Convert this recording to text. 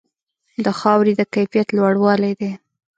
د خاورې د کیفیت لوړوالې دی.